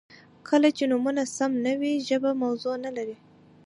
• کله چې نومونه سم نه وي، ژبه موضوع نهلري.